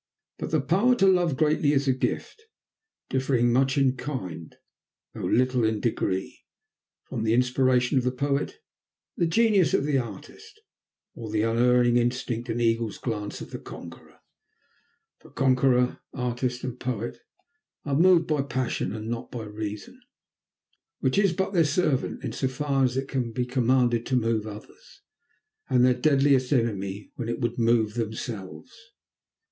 But the power to love greatly is a gift, differing much in kind, though little in degree, from the inspiration of the poet, the genius of the artist, or the unerring instinct and eagle's glance of the conqueror; for conqueror, artist and poet are moved by passion and not by reason, which is but their servant in so far as it can be commanded to move others, and their deadliest enemy when it would move themselves.